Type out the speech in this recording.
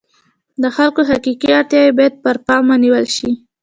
د خلکو حقیقي اړتیاوې باید پر پام ونیول شي.